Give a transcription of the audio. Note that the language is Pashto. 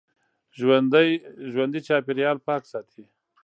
ژوندي چاپېریال پاک ساتي